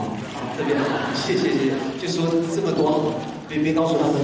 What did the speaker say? ไม่มีอะไรที่จะสนุก